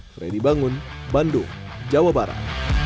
freddy bangun bandung jawa barat